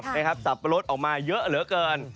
สับปะรดออกมาเยอะเหลือเกิน